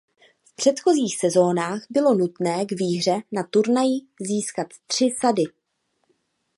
V předchozích sezónách bylo nutné k výhře na turnaji získat tři sady.